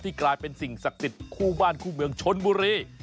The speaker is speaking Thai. ที่กลายเป็นสิ่งสักติดคู่บ้านคู่เมืองชนบุรี